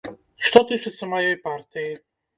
Што тычыцца маёй партыі.